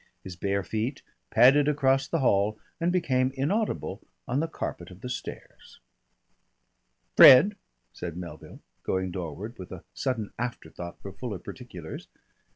His bare feet padded across the hall and became inaudible on the carpet of the stairs. "Fred!" said Melville, going doorward with a sudden afterthought for fuller particulars.